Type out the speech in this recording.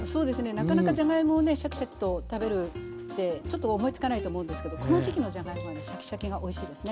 なかなかじゃがいもをねシャキシャキと食べるってちょっと思いつかないと思うんですけどこの時期のじゃがいもはねシャキシャキがおいしいですね。